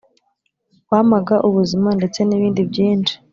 wamaga ubuzima ndetse nibindi byinshi;